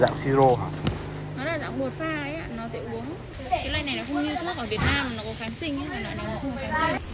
nó có kháng sinh ý nó này nó không có kháng sinh